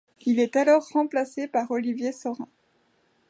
Il est alors remplacé par Olivier Sorin.